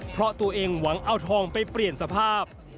เพราะตัวเองหวังเอาทองไปเปลี่ยนสภาพ